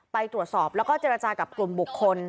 ไปตรวจสอบแล้วก็เจรจากับกลุ่มบุคคล